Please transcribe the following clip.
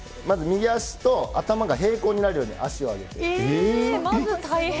まず右足と頭が平行になるように足を上げて。